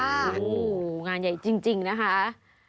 โอ้โหงานใหญ่จริงนะคะ